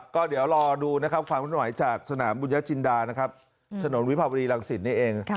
ก็เดี๋ยวรอดูความเคลื่อนไหวจากสนามบุญญจินดาถนนวิพาปรีรังสินนี่เอง